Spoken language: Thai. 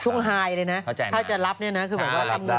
ช่วงไฮเลยนะถ้าจะรับคือบอกว่าเป็นเงินไปเยอะ